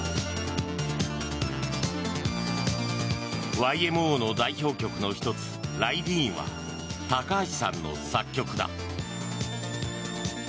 ＹＭＯの代表曲の１つ「ライディーン」は高橋さんの作曲だ。